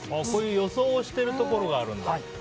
こういう予想をしているところがあるんだ。